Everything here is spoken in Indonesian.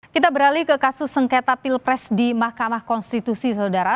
kita beralih ke kasus sengketa pilpres di mahkamah konstitusi saudara